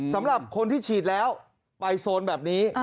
สำหรับคนที่ฉีดแล้วไปโซนแบบนี้